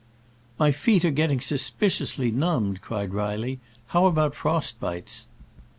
"My feet are getting suspiciously numbed," cried Reilly: "how about frost bites